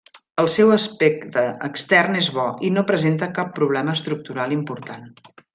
El seu aspecte extern és bo i no presenta cap problema estructural important.